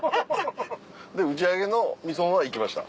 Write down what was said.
で打ち上げの味園は行きました。